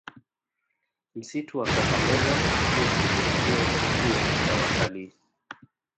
Msitu wa Kakamega siyo kivutio kikuu cha watalii